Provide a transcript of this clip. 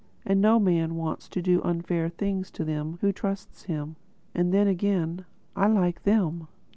And no man wants to do unfair things to them who trust him.... And then again, I like them.